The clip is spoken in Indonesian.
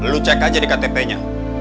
lo cek aja di ktpnya